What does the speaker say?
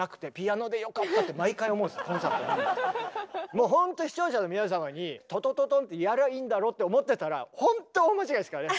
もうほんと視聴者の皆様にトトトトンってやりゃいいんだろって思ってたらほんと大間違いですからね！